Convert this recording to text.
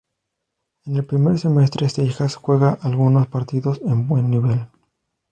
En el primer semestre, Seijas juega algunos partidos en buen nivel.